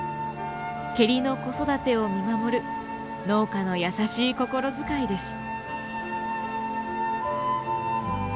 ケリの子育てを見守る農家の優しい心遣いです。